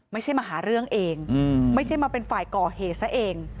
ไม่ใช่มาหาเรื่องเองไม่ใช่มาเป็นฝ่ายก่อเหตุซะเอง